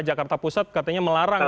jakarta pusat katanya melarang